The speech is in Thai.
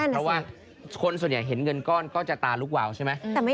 เพราะว่าคนส่วนใหญ่เห็นเงินก้อนก็จะตาลุกวาวใช่ไหม